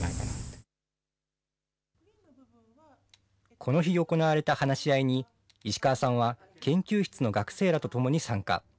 この日行われた話し合いに、石川さんは、研究室の学生らとともに参加。